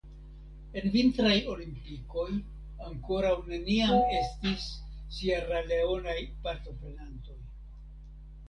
En vintraj olimpikoj ankoraŭ neniam estis Sieraleonaj partoprenantoj.